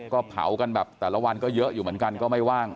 ก็เผากันแบบแต่ละวันก็เยอะอยู่เหมือนกันก็ไม่ว่าง